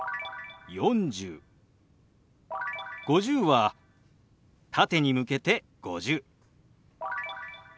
「５０」は縦に向けて「５０」。